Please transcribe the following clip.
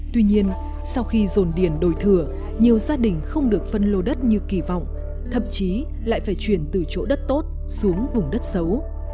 tuy nhiên sau khi dồn điền đổi thừa nhiều gia đình không được phân lô đất như kỳ vọng thậm chí lại phải chuyển từ chỗ đất tốt xuống vùng đất xấu